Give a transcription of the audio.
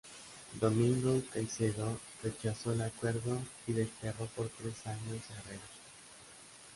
Domingo Caycedo rechazó el acuerdo y desterró por tres años a Herrera.